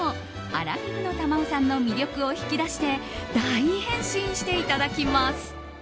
アラフィフの珠緒さんの魅力を引き出して大変身していただきます。